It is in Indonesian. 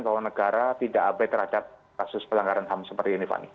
bahwa negara tidak abai terhadap kasus pelanggaran ham seperti ini fani